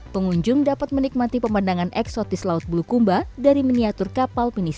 pengunjung dapat menikmati pemandangan eksotis laut bulukumba dari miniatur kapal penisi